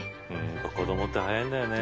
子供って速いんだよね。